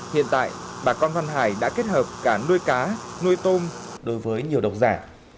hiện tại bà con văn hải đã kết hợp cả nuôi cá nuôi tôm đối với nhiều độc giả